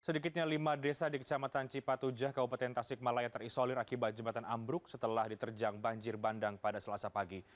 sedikitnya lima desa di kecamatan cipatujah kabupaten tasikmalaya terisolir akibat jembatan ambruk setelah diterjang banjir bandang pada selasa pagi